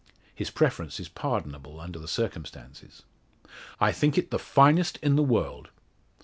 His preference is pardonable under the circumstances. "I think it the finest in the world."